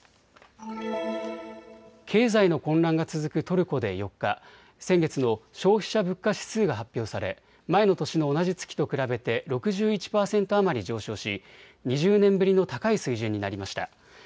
経済の混乱が続くトルコで４日、先月の消費者物価指数が発表され前の年の同じ月と比べて６１％余り上昇し２０年ぶりの高い水準になりました。